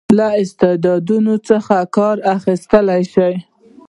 له استعدادونو څخه کار واخیستل شي.